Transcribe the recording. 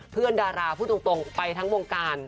ดาราพูดตรงไปทั้งวงการ